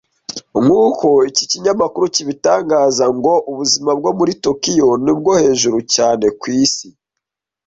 Nk’uko iki kinyamakuru kibitangaza ngo ubuzima bwo muri Tokiyo ni bwo hejuru cyane ku isi.